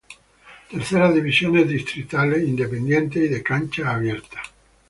Terceras Divisiones Distritales, Independientes y de Canchas Abiertas